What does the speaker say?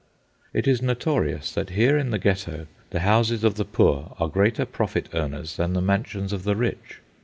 It is notorious that here in the Ghetto the houses of the poor are greater profit earners than the mansions of the rich.